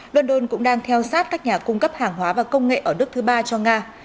london cũng đang theo sát các nhà cung cấp hàng hóa và công nghệ ở nước thứ ba cho nga